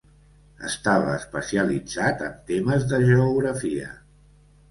Estava especialitzat en temes de geografia.